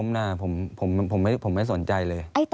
อันดับ๖๓๕จัดใช้วิจิตร